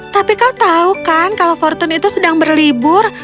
tapi kau tahu kan kalau fortune itu sedang berlibur